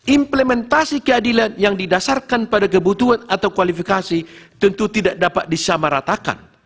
implementasi keadilan yang didasarkan pada kebutuhan atau kualifikasi tentu tidak dapat disamaratakan